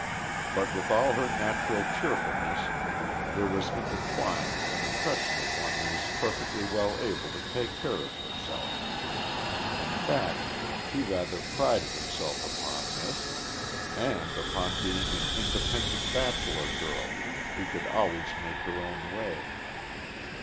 But with all her natural cheerfulness, there was intertwined an impression of one who was perfectly well able to take care of herself. In fact she rather prided herself upon this, and upon being an independent bachelor girl who could always make her own way.